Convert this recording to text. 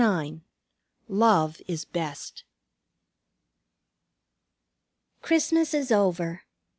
IX LOVE IS BEST Christmas is over.